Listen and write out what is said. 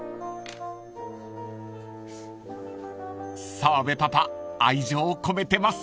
［澤部パパ愛情込めてます］